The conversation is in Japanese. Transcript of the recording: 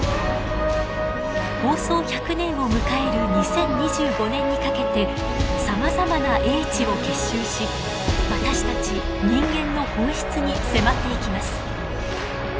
放送１００年を迎える２０２５年にかけてさまざまな英知を結集し私たち人間の本質に迫っていきます。